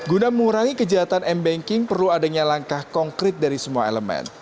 guna mengurangi kejahatan m banking perlu adanya langkah konkret dari semua elemen